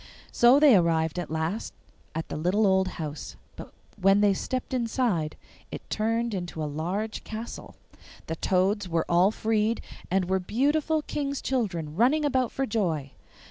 So they arrived at last at the little old house, but when they stepped inside it turned into a large castle. The toads were all freed, and were beautiful King's children, running about for joy.